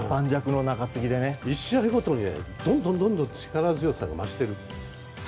１試合ごとにどんどん力強さが増している。